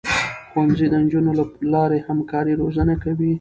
ښوونځی د نجونو له لارې همکاري روزنه کوي.